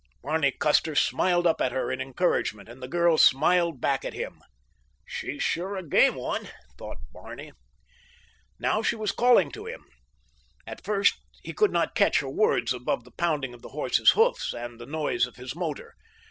Barney Custer smiled up at her in encouragement, and the girl smiled back at him. "She's sure a game one," thought Barney. Now she was calling to him. At first he could not catch her words above the pounding of the horse's hoofs and the noise of his motor.